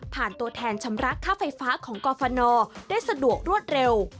ตัวแทนชำระค่าไฟฟ้าของกรฟนได้สะดวกรวดเร็ว